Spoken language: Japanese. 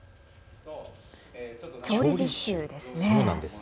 調理実習ですね。